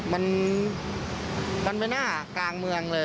มันมันไม่น่ากลางเมืองเลย